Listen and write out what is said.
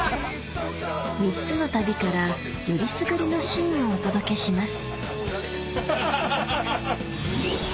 ３つの旅からよりすぐりのシーンをお届けします